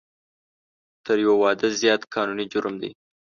تر یو واده زیات قانوني جرم دی